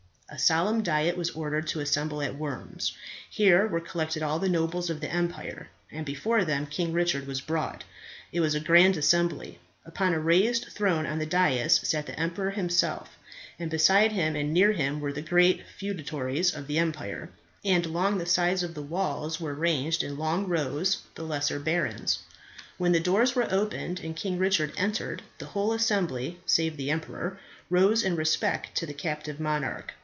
A solemn diet was ordered to assemble at Worms. Here were collected all the nobles of the empire, and before them King Richard was brought. It was a grand assembly. Upon a raised throne on the dais sat the emperor himself, and beside him and near him were the great feudatories of the empire, and along the sides of the walls were ranged in long rows the lesser barons. When the doors were opened and King Richard entered, the whole assembly, save the emperor, rose in respect to the captive monarch.